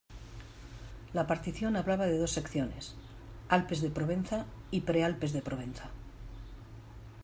La Partición hablaba de dos secciones, Alpes de Provenza y Prealpes de Provenza.